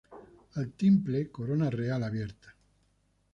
Al timple, Corona Real abierta.